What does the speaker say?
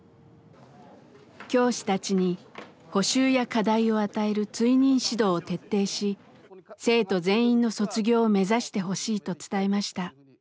教師たちに補習や課題を与える「追認指導」を徹底し生徒全員の卒業を目指してほしいと伝えました。